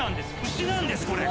牛なんですこれ。